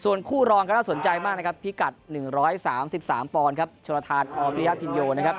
ส่วนคู่รองก็สนใจมากนะครับพิกัด๑๓๓ปอนด์ชนธานออร์พิยาพินโย